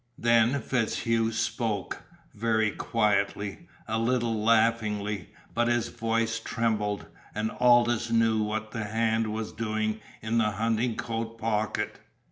Then FitzHugh spoke, very quietly, a little laughingly; but his voice trembled, and Aldous knew what the hand was doing in the hunting coat pocket.